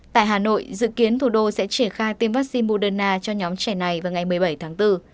tại hà nội dự kiến thủ đô sẽ triển khai tiêm vaccine moderna cho nhóm trẻ này vào ngày một mươi bảy tháng bốn